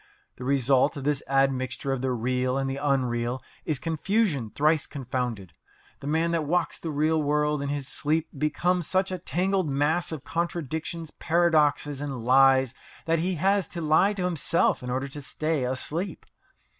The result of this admixture of the real and the unreal is confusion thrice confounded. The man that walks the real world in his sleep becomes such a tangled mass of contradictions, paradoxes, and lies that he has to lie to himself in order to stay asleep.